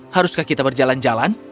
haruskah kita berjalan jalan